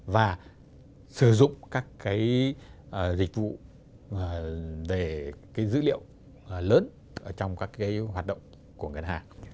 và sử dụng các cái dịch vụ về cái dữ liệu lớn trong các cái hoạt động của ngân hàng